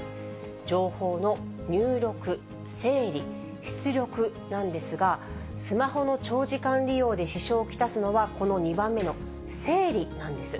情報の入力、整理、出力なんですが、スマホの長時間利用で支障を来すのは、この２番目の整理なんです。